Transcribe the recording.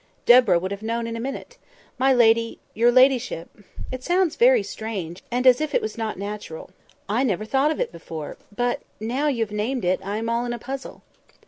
Deborah would have known in a minute. 'My lady'—'your ladyship.' It sounds very strange, and as if it was not natural. I never thought of it before; but, now you have named it, I am all in a puzzle."